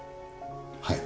はい。